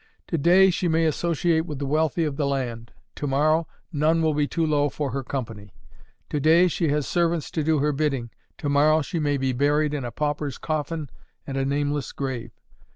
To day she may associate with the wealthy of the land; to morrow none will be too low for her company. To day she has servants to do her bidding; to morrow she may be buried in a pauper's coffin and a nameless grave.